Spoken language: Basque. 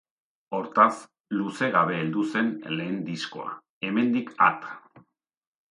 Hortaz, luze gabe heldu zen lehen diskoa, Hemendik at!